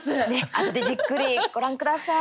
あとでじっくりご覧ください。